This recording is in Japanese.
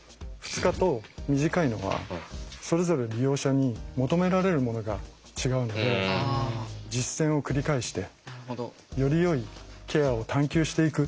２日と短いのはそれぞれ利用者に求められるものが違うので実践を繰り返してよりよいケアを探求していく。